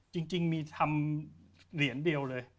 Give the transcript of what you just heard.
จริงมีทำเหรียญเดียวเลย